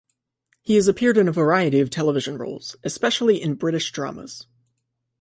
He has appeared in a variety of television roles, especially in British dramas.